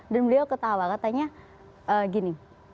dan beliau ketawa katanya gini